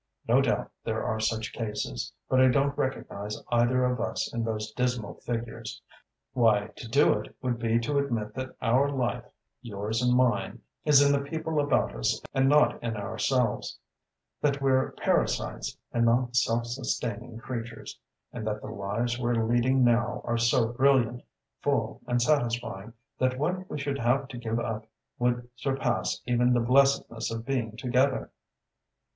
No doubt there are such cases; but I don't recognize either of us in those dismal figures. Why, to do it would be to admit that our life, yours and mine, is in the people about us and not in ourselves; that we're parasites and not self sustaining creatures; and that the lives we're leading now are so brilliant, full and satisfying that what we should have to give up would surpass even the blessedness of being together!